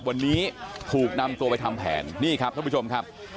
วันนี้ถูกนำตัวไปทำแผนนี่ครับท่านผู้ชมครับ